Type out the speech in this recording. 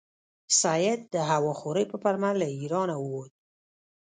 سید د هوا خورۍ په پلمه له ایرانه ووت.